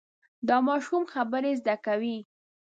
دا ماشوم خبرې زده کوي.